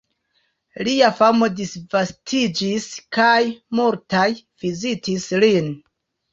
Lia famo disvastiĝis kaj multaj vizitis lin.